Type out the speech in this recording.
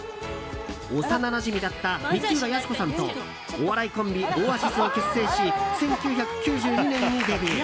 幼なじみだった光浦靖子さんとお笑いコンビ、オアシズを結成し１９９２年にデビュー。